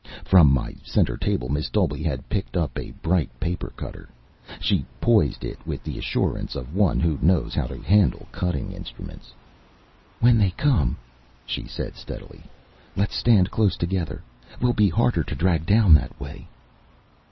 From my center table Miss Dolby had picked up a bright paper cutter. She poised it with the assurance of one who knows how to handle cutting instruments. "When they come," she said steadily, "let's stand close together. We'll be harder to drag down that way."